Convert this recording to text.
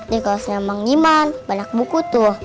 dari kawasan yang emang gimana banyak buku tuh